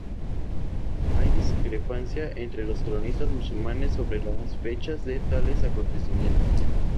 Hay discrepancia entre los cronistas musulmanes sobre las fechas de tales acontecimientos.